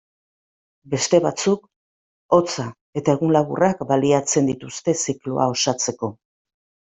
Beste batzuk, hotza eta egun laburrak baliatzen dituzte zikloa osatzeko.